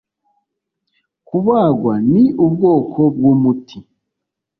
kubagwa ni ubwoko bw'umuti.